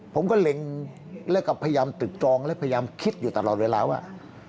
ผมก็เล็งเรื่องกับพยายามตึกตรองและพยายามคิดอยู่ตลอดเลยแล้วว่า